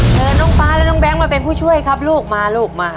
เชิญน้องฟ้าและน้องแก๊งมาเป็นผู้ช่วยครับลูกมาลูกมา